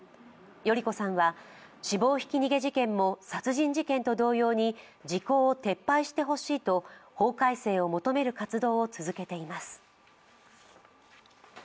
代里子さんは死亡ひき逃げ事件も殺人事件と同様に時効を撤廃してほしいと法改正を求める活動を続けています。